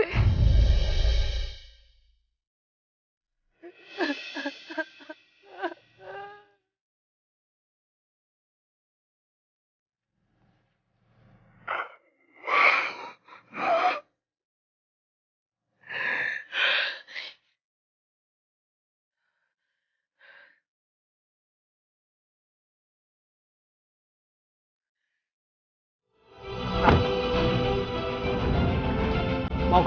saya akan menang bu